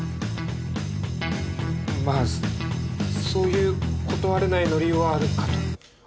まあそういう断れない乗りはあるかと。